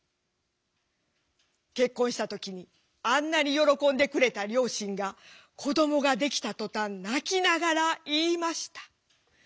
結婚した時にあんなに喜んでくれた両親が子どもができたとたん泣きながら言いました。